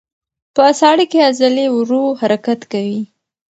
په ساړه کې عضلې ورو حرکت کوي.